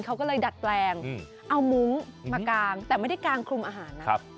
เขาก็เลยดัดแปลงเอามุ้งมากางแต่ไม่ได้กางคลุมอาหารนะ